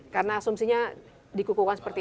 karena asumsinya dikukukan seperti